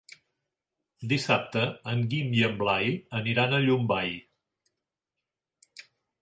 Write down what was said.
Dissabte en Guim i en Blai aniran a Llombai.